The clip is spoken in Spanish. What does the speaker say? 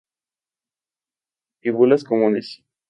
Fíbulas comunes.